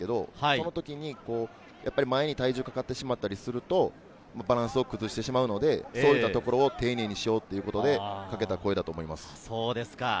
その時に前に体重がかかってしまったりするとバランスを崩してしまうので、そういったところを丁寧にしようというところで、かけた声だと思います。